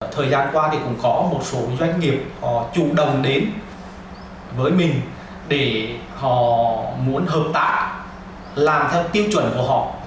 thời gian qua thì cũng có một số doanh nghiệp họ chủ động đến với mình để họ muốn hợp tác làm theo tiêu chuẩn của họ